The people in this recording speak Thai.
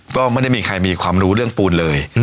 ก็ไม่ได้มีใครมีความรู้เรื่องปูนเลย